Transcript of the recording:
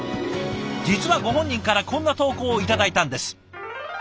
実はご本人からこんな投稿を頂いたんです。